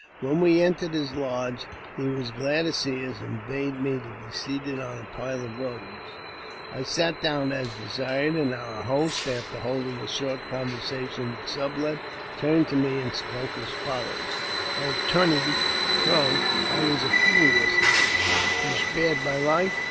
When we eatered his lodge he was glad to see us, and bade me be seated on a pile of robes. I sat down as desired, and our host, after holding a short conversation with Sublet, turned to me and spoke as follows :*' O tun nee " (Crow), " I was a fool yesterday. You spared my life.